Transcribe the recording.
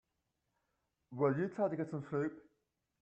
Will you try to get some sleep?